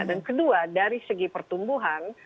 kedua dari segi pertumbuhan